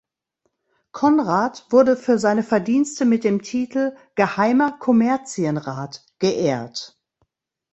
Conrad wurde für seine Verdienste mit dem Titel "Geheimer Kommerzienrat" geehrt.